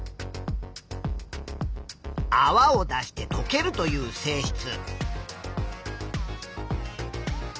あわを出してとけるという性質。